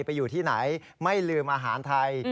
ไปอยู่ที่ไหนไม่ลืมอาหารไทย